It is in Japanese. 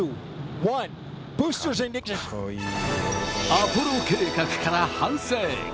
アポロ計画から半世紀。